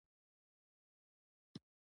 د تخت د نیولو ادعا درلوده.